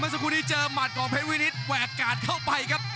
สักครู่นี้เจอหมัดของเพชรวินิตแหวกกาดเข้าไปครับ